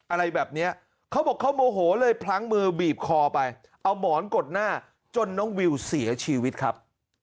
อะไรแบบนี้เขาบอกเขาโมโหเลยพลั้งมือบีบคอไปเอาหมอนกดหน้าจนน้องวิวเสียชีวิตครับ